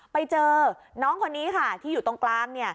ไปเจอน้องคนนี้ค่ะที่อยู่ตรงกลาง